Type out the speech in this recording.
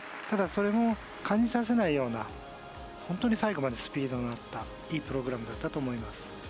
ただ、それも感じさせないような本当に最後までスピードに乗ったいいプログラムだったと思います。